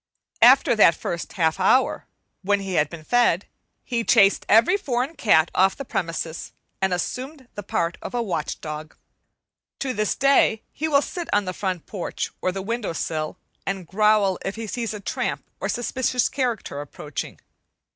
After that first half hour, when he had been fed, he chased every foreign cat off the premises, and assumed the part of a watch dog. To this day he will sit on the front porch or the window sill and growl if he sees a tramp or suspicious character approaching.